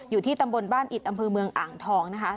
อยู่ที่ตำบลบ้านอิดอำเภอเมืองอ่างทองนะคะ